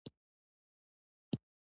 خولۍ د هدیرې پر وخت هم اغوستل کېږي.